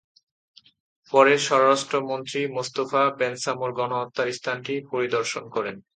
পরে স্বরাষ্ট্রমন্ত্রী মোস্তফা বেনসামোর গণহত্যার স্থানটি পরিদর্শন করেন।